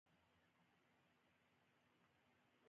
د هوايي ډګر کارکوونکي پاڼې وویشلې.